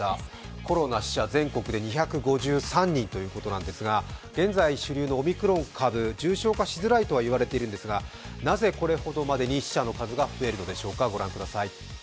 コロナ死者、全国で２５３人ということなんですが現在、主流のオミクロン株、重症化しづらいと言われているんですが、なぜ、これほどまでに死者の数が増えるのでしょうか。